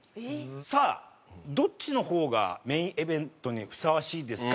さあどっちの方がメインイベントにふさわしいですか？